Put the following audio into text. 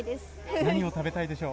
何を食べたいでしょう？